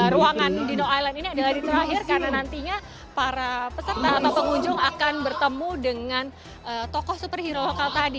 ruangan dino island ini adalah di terakhir karena nantinya para peserta atau pengunjung akan bertemu dengan tokoh superhero lokal tadi